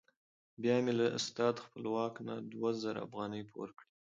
بیا مې له استاد خپلواک نه دوه زره افغانۍ پور کړې.